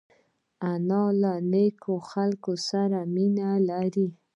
انا له نیکو خلکو سره مینه لري